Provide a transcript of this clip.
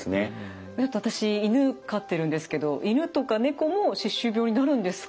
私犬飼ってるんですけど犬とか猫も歯周病になるんですか？